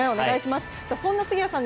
そんな杉谷さん